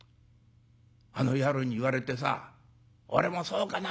あの野郎に言われてさ俺も『そうかな』。